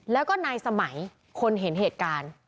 แล้วก็นายสมัยคนเห็นเหตุการณ์